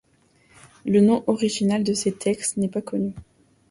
Le nom original de ces textes n'est pas connu.